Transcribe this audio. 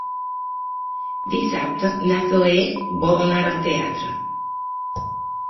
Dissabte na Zoè vol anar al teatre.